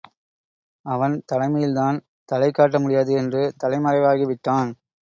அவன் தலைமையில் தான் தலை காட்ட முடியாது என்று தலை மறைவாகி விட்டான்.